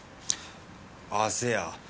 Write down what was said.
あせや。